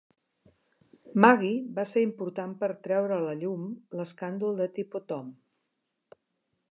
Magee va ser important per a treure a la llum l'escàndol de Teapot Dome.